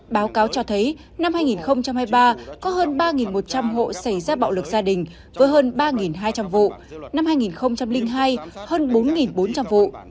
báo cáo cho thấy năm hai nghìn hai mươi ba có hơn ba một trăm linh hộ xảy ra bạo lực gia đình với hơn ba hai trăm linh vụ năm hai nghìn hai hơn bốn bốn trăm linh vụ